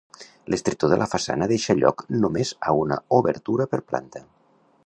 L'estretor de la façana deixa lloc només a una obertura per planta.